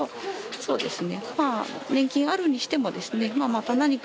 そうですね。